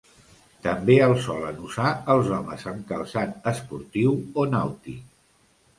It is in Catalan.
També el solen usar els homes amb calçat esportiu o nàutic.